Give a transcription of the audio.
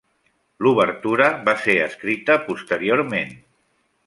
L'obertura va ser escrita posteriorment.